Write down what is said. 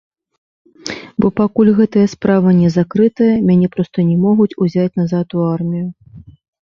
Бо пакуль гэтая справа не закрытая, мяне проста не могуць узяць назад у армію!